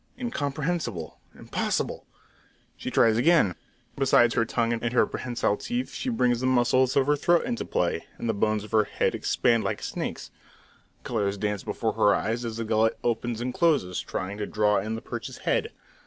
Incomprehensible! Impossible! She tries again. Besides her tongue and her prehensile teeth, she brings the muscles of her throat into play, and the bones of her head expand like a snake's. Colours dance before her eyes as the gullet opens and closes, trying to draw in the perch's head.